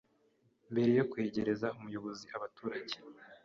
mbere yo kwegereza ubuyobozi abaturage